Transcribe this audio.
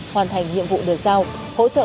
hoàn thành nhiệm vụ được giao hỗ trợ